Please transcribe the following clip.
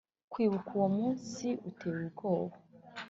kwibuka uwo munsi uteye ubwoba.